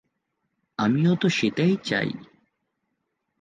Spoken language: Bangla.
আমিও তো সেটাই চাই।